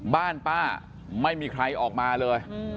บ้านป้าไม่มีใครออกมาเลย